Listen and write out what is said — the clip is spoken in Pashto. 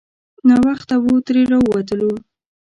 ناوخته وو ترې راووتلو.